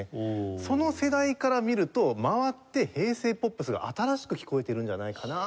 その世代から見ると回って平成ポップスが新しく聴こえてるんじゃないかなっていう。